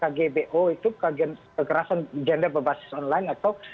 kgbo itu kekerasan gender berbasis online atau